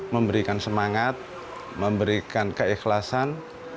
memberikan semangat memberikan keikhlasan